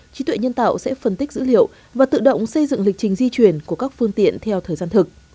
trí tuệ nhân tạo sẽ phân tích dữ liệu và tự động xây dựng lịch trình di chuyển của các phương tiện theo thời gian thực